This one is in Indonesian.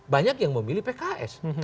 banyak yang memilih pks